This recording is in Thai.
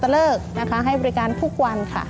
เลิกนะคะให้บริการทุกวันค่ะ